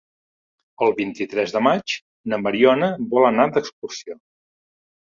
El vint-i-tres de maig na Mariona vol anar d'excursió.